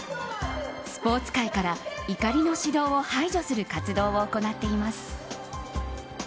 スポーツ界から怒りの指導を排除する活動を行っています。